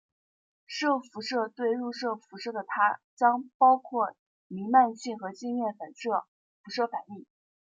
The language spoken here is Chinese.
射辐射对入射辐射的它将包括弥漫性和镜面反射辐射反映。